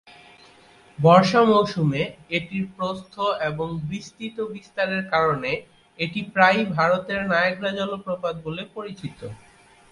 বর্ষা মৌসুমে এটির প্রস্থ এবং বিস্তৃত বিস্তারের কারণে এটি প্রায়ই ভারতের নায়াগ্রা জলপ্রপাত বলে পরিচিত।